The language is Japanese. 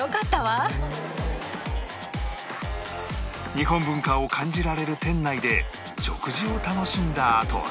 日本文化を感じられる店内で食事を楽しんだあとは